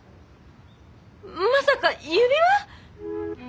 まさか指輪！？